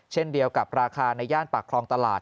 เช่นเดียวกับราคาในย่านปากคลองตลาด